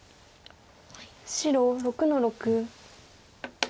白６の六。